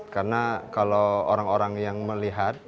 karena kalau orang orang yang melihat